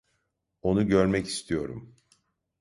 Onu görmek istiyorum.